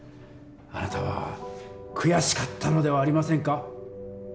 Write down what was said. あなたは悔しかったのではありませんか？